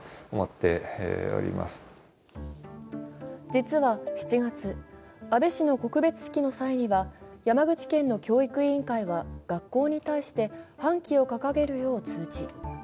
実は７月、安倍氏の告別式の際には山口県の教育委員会は学校に対して半旗を掲げるよう通知。